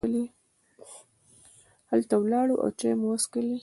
هلته ولاړو او چای مو وڅښلې.